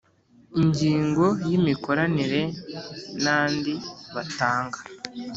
Ingingo ya imikoranire n abandi batanga